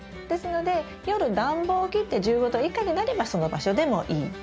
ですので夜暖房を切って１５℃以下になればその場所でもいい。